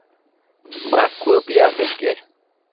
Bacuëbo piaseque